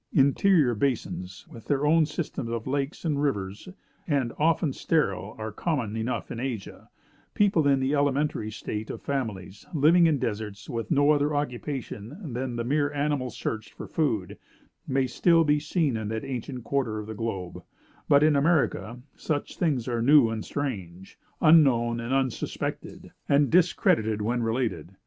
Interior basins, with their own systems of lakes and rivers, and often sterile, are common enough in Asia; people in the elementary state of families, living in deserts, with no other occupation than the mere animal search for food, may still be seen in that ancient quarter of the globe; but in America such things are new and strange, unknown and unsuspected, and discredited when related.